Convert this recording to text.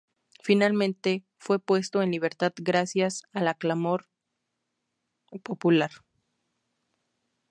Finalmente fue puesto en libertad gracias al clamor popular.